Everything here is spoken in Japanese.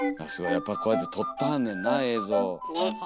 やっぱこうやって撮ってはんねんな映像。